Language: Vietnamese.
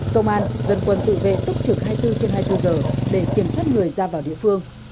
công an dân quân tự vệ túc trực hai mươi bốn trên hai mươi bốn giờ để kiểm soát người ra vào địa phương